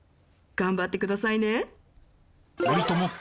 頑張ってくださいね。